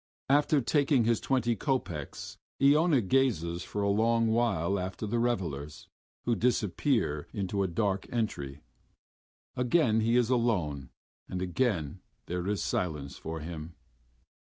After taking his twenty kopecks, Iona gazes for a long while after the revelers, who disappear into a dark entry. Again he is alone and again there is silence for him....